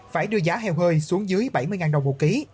phải đưa giá heo hơi xuống dưới bảy mươi đồng một ký